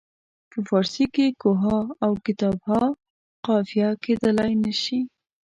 په فارسي کې کوه ها او کتاب ها قافیه کیدلای نه شي.